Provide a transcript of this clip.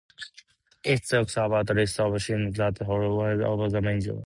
It talks about a list of things that hold sway over a man's destiny.